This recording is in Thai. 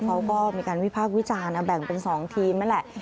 เขาก็มีการวิพากษ์วิจารณ์แบ่งเป็น๒ทีมนั่นแหละ